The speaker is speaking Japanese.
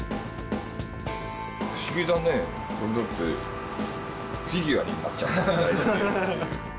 不思議だねこれだってフィギュアになっちゃった。